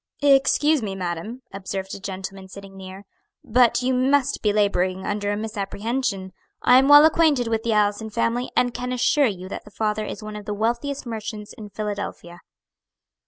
"Excuse me, madam," observed a gentleman sitting near, "but you must be laboring under a misapprehension. I am well acquainted with the Allison family, and can assure you that the father is one of the wealthiest merchants in Philadelphia."